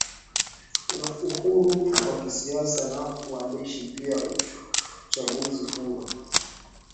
Kuna uhuru wa kisiasa na wa uandushi pia uchaguzi huru